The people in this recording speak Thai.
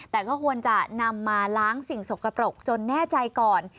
แต่ก็ควรจะนำมาล้างสิ่งสกปรกจนแน่ใจก่อน